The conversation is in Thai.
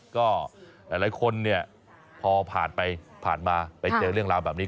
ก็หลายคนเนี่ยพอผ่านไปผ่านมาไปเจอเรื่องราวแบบนี้